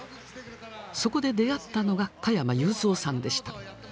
そこで出会ったのが加山雄三さんでした。